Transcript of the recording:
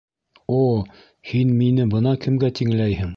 О, һин мине бына кемгә тиңләйһең!